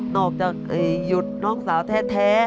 ออกจากหยุดน้องสาวแท้